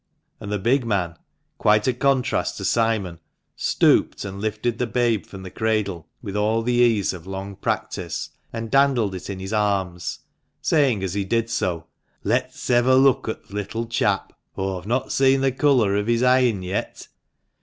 " And the big man — quite a contrast to Simon — stooped and lifted the babe from the cradle with all the ease of long practice, and dandled it in his arms, saying as he did so, "Let's hev a look at th' little chap. Aw've not seen the colour o' his eyen yet."